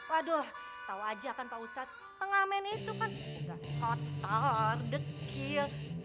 waduh tahu aja kan pak ustadz pengamen itu kan udah kotor kecil